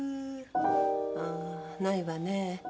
ああないわね。